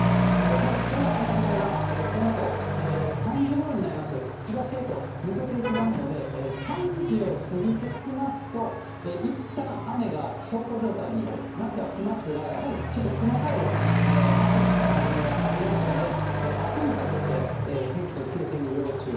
ただ、この雨雲がこのあと、３時ごろになりますと、東へと抜けていきますので、３時を過ぎてきますと、いったん、雨が小康状態になってはきますが、やはり細かい発達した雨雲もありますので、あすにかけて、天気の急変に要注意。